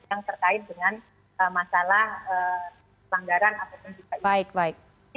yang terkait dengan masalah pelanggaran apapun juga itu